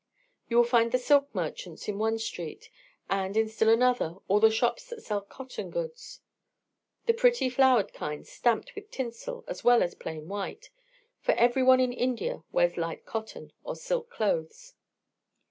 You will find the silk merchants in one street; and, in still another, all the shops that sell cotton goods, the pretty flowered kinds stamped with tinsel as well as plain white, for every one in India wears light cotton or silk clothes.